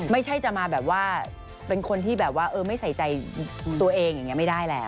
ไม่ใช่จะมาแบบว่าเป็นคนที่แบบว่าไม่ใส่ใจตัวเองอย่างนี้ไม่ได้แล้ว